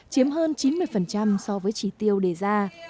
chiếm hơn chín mươi so với chỉ tiêu đề ra